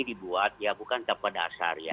dibuat ya bukan tanpa dasar ya